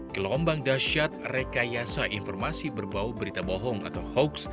gelombang dasyat rekayasa informasi berbau berita bohong atau hoax